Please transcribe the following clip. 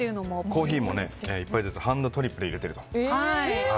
コーヒーも１杯ずつハンドドリップで入れていると。